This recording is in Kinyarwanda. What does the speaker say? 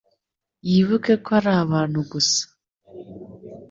yibuke ko ari abantu gusa